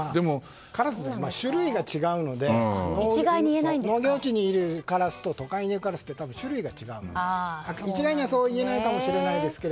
カラスの種類が違うので農業地にいるカラスと都会にいるカラスは種類が違うので、一概にはそういえないかもしれませんが。